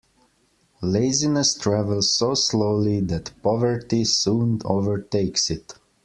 Laziness travels so slowly that poverty soon overtakes it.